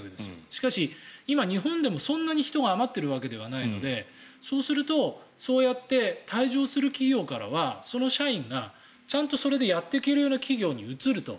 しかし、今、日本でもそんなに人が余ってるわけでもないのでそうするとそうやって退場する企業からはその社員がちゃんとそれでやっていけるような企業に移ると。